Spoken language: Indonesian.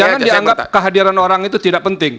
jangan dianggap kehadiran orang itu tidak penting